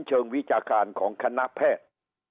เชิงวิจารณ์ของคณะแพทย์